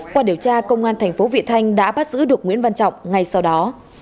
qua điều tra công an thành phố vị thanh đã bắt giữ được nguyễn văn trọng ngay sau đó